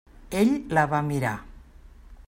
Ell la va mirar.